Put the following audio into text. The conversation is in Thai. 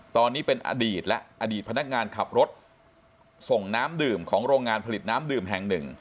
ตอนนี้เป็นอดีตและอดีตพนักงานขับรถส่งน้ำดื่มของโรงงานผลิตน้ำดื่มแห่งหนึ่ง